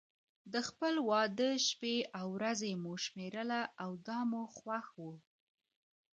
د خپل واده شپې او ورځې مو شمېرله او دا مو خوښ و.